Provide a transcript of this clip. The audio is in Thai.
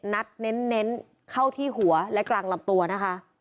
นัดเน้นเข้าที่หัวและกลางลำตัวนะคะ